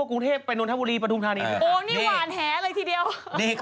ไม่มีเสียงตอบรับในทั้งสิ้นเลยค่ะ